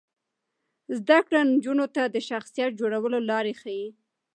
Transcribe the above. زده کړه نجونو ته د شخصیت جوړولو لارې ښيي.